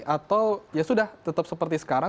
atau ya sudah tetap seperti sekarang